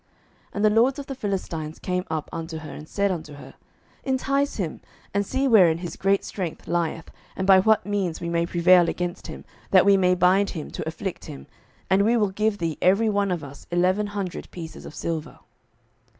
07:016:005 And the lords of the Philistines came up unto her, and said unto her, Entice him, and see wherein his great strength lieth, and by what means we may prevail against him, that we may bind him to afflict him; and we will give thee every one of us eleven hundred pieces of silver.